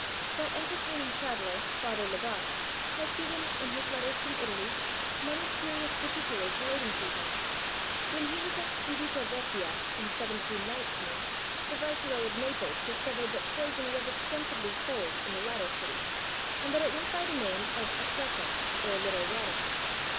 That entertaining traveller, Father Lebat, has given, in his letters from Italy, many curious particulars relating to her. When he was at Civita Vecchia, in 1719, the Viceroy of Naples discovered that poison was extensively sold in the latter city, and that it went by the name of aqueta, or little water.